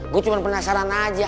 gue cuman penasaran aja